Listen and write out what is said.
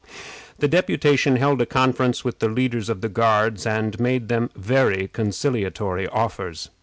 The deputation held a conference with the leaders of the Guards, and made them very conciliatory offers.